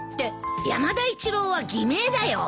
山田一郎は偽名だよ。